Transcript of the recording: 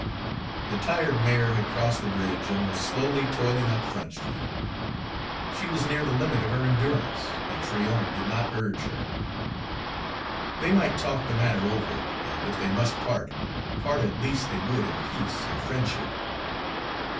The tired mare had crossed the bridge and was slowly toiling up Front Street; she was near the limit of her endurance, and Tryon did not urge her. They might talk the matter over, and if they must part, part at least they would in peace and friendship.